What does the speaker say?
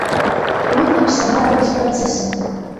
Уи иԥсабаратәыз процессын.